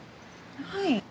はい？